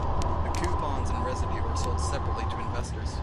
The coupons and residue are sold separately to investors.